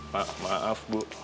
pak maaf bu